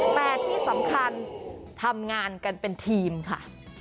แต่ที่สำคัญทำงานกันเป็นทีมค่ะ